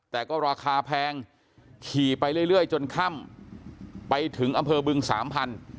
แต่ก็ราคาแพงขี่ไปเรื่อยจนค่ำไปถึงอำเภอบึงสามพัน